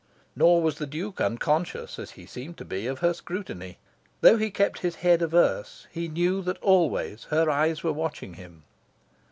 Nor was the Duke unconscious, as he seemed to be, of her scrutiny. Though he kept his head averse, he knew that always her eyes were watching him.